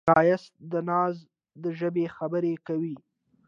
ښایست د ناز د ژبې خبرې کوي